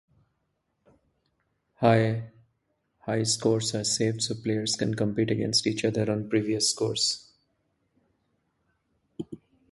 High scores are saved, so players can compete against each other or previous scores.